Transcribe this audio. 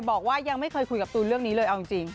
บอกว่ายังไม่เคยคุยกับตูนเรื่องนี้เลยเอาจริง